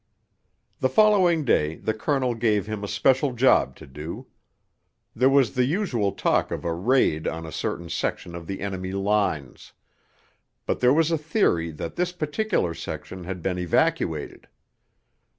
The following day the Colonel gave him a special job to do. There was the usual talk of a 'raid' on a certain section of the enemy lines; but there was a theory that this particular section had been evacuated.